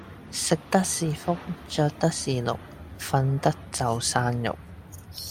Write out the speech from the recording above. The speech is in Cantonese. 食得是福着得是祿瞓得就生肉